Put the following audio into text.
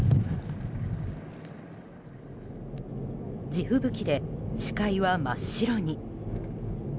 地吹雪で、視界は真っ白に。